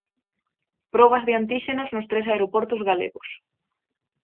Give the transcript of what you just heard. Probas de antíxenos nos tres aeroportos galegos.